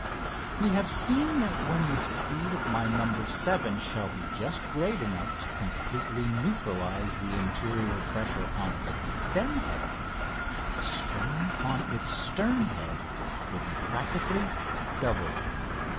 We have seen that when the speed of my "No. 7" shall be just great enough to completely neutralise the interior pressure on its stem head the strain on its stern head will be practically doubled.